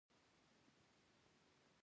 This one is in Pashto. خو دا کار ونه شو.